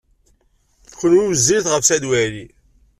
Kenwi wezzilit ɣef Saɛid Waɛli.